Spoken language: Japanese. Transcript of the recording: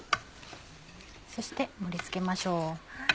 そして盛り付けましょう。